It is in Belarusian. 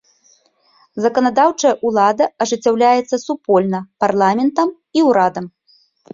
Заканадаўчая ўлада ажыццяўляецца супольна парламентам і ўрадам.